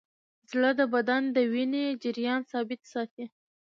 زړه د بدن د وینې جریان ثابت ساتي.